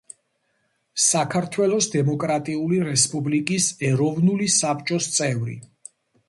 საქართველოს დემოკრატიული რესპუბლიკის ეროვნული საბჭოს წევრი.